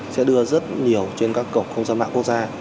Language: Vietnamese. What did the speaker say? sẽ đưa rất nhiều trên các cổng không gian mạng quốc gia